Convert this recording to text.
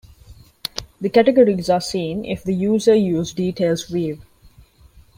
The categories are seen if the user use "Details" view.